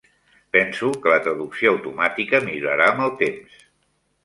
Penso que la traducció automàtica millorarà amb el temps.